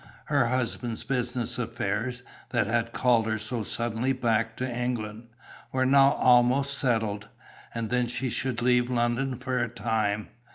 Her husband's business affairs, that had called her so suddenly back to England, were now almost settled. And then she should leave London for a time.